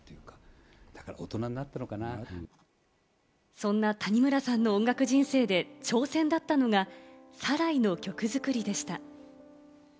そんな谷村さんの音楽人生で挑戦だったのが、『サライ』の曲作りでした。